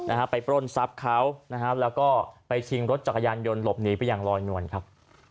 นะฮะไปปล้นทรัพย์เขานะฮะแล้วก็ไปชิงรถจักรยานยนต์หลบหนีไปอย่างลอยนวลครับ